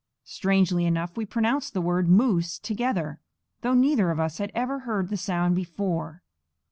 Strangely enough, we pronounced the word moose together, though neither of us had ever heard the sound before.